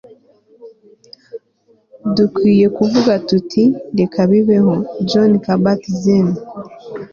dukwiye kuvuga tuti reka bibeho - jon kabat-zinn